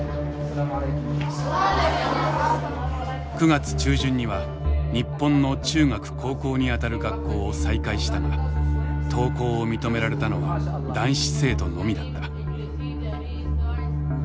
９月中旬には日本の中学高校にあたる学校を再開したが登校を認められたのは男子生徒のみだった。